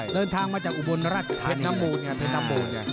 เดินทางมาจากอุบลรัชธานิดนึง